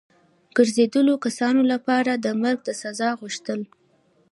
ګرځېدلو کسانو لپاره د مرګ د سزا غوښتل.